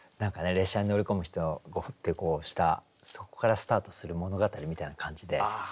列車に乗り込む人ゴホッてしたそこからスタートする物語みたいな感じで。